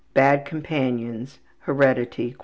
Bad companions. Heredity